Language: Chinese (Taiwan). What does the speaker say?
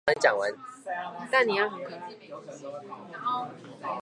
但你要很可愛